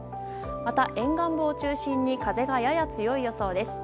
また、沿岸部を中心に風がやや強い予想です。